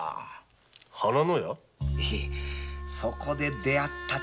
そこで出会った茶屋女